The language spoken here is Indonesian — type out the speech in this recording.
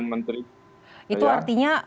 menteri itu artinya